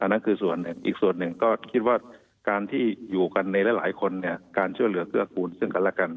นั่นคือส่วนหนึ่งอีกส่วนหนึ่งก็คิดว่าการที่อยู่กันในหลายคนเนี่ยการช่วยเหลือเกื้อกูลซึ่งกันและกัน